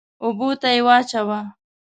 اوبو ته يې واچوه.